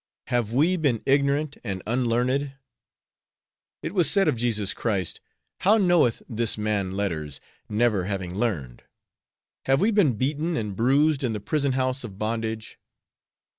Have we been ignorant and unlearned? It was said of Jesus Christ, 'How knoweth this man letters, never having learned?' Have we been beaten and bruised in the prison house of bondage?